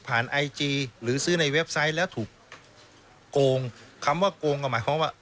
ไอจีหรือซื้อในเว็บไซต์แล้วถูกโกงคำว่าโกงก็หมายความว่า